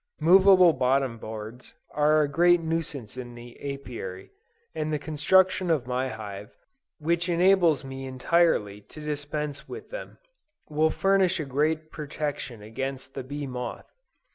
Movable bottom hoards are a great nuisance in the Apiary, and the construction of my hive, which enables me entirely to dispense with them, will furnish a very great protection against the bee moth.